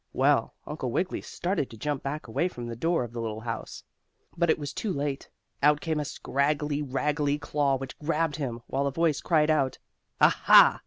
Well, Uncle Wiggily started to jump back away from the door of the little house, but it was too late. Out came a scraggily raggily claw, which grabbed him, while a voice cried out: "Ah, ha!